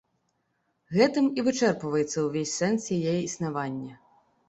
Гэтым і вычэрпваецца ўвесь сэнс яе існавання.